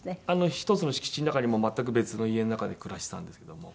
１つの敷地の中にもう全く別の家の中で暮らしてたんですけども。